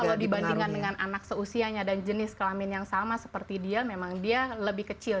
kalau dibandingkan dengan anak seusianya dan jenis kelamin yang sama seperti dia memang dia lebih kecil